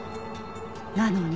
なのに。